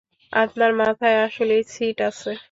আপনার মাথায় আসলেই ছিট আছে।